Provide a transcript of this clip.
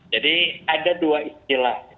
jadi ada dua istilah